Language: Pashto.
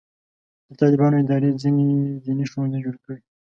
د طالبانو ادارې ځینې دیني ښوونځي جوړ کړي.